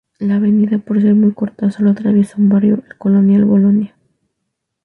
La avenida por ser muy corta, sólo atraviesa un barrio, el Colonial Bolonia.